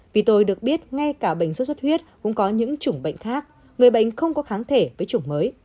vì tôi được biết ngay cả bệnh xuất xuất huyết cũng có những chủng bệnh khác người bệnh không có kháng thể với chủng mới